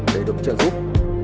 để được trợ giúp